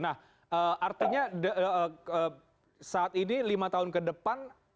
nah artinya saat ini lima tahun ke depan